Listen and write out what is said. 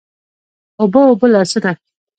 اوبه، اوبه لاسونه